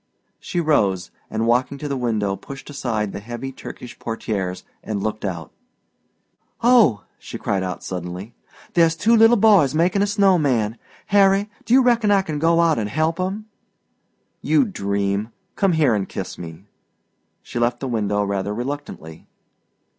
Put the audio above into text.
She rose and walking to the window pushed aside the heavy Turkish portières and looked out. "Oh!" she cried suddenly. "There's two little boys makin' a snow man! Harry, do you reckon I can go out an' help 'em?" "You dream! Come here and kiss me." She left the window rather reluctantly.